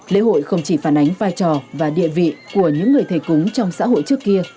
lễ hội không chỉ phản ánh vai trò và địa vị của những người thầy cúng trong xã hội trước kia